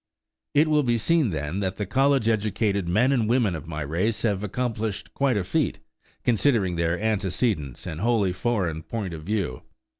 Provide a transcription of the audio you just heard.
It will be seen, then, that the college educated men and women of my race have accomplished quite a feat, considering their antecedents and wholly foreign point of view.